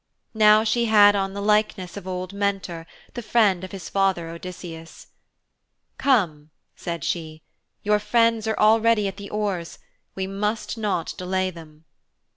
Now she had on the likeness of old Mentor, the friend of his father Odysseus. 'Come,' said she, 'your friends are already at the oars. We must not delay them.'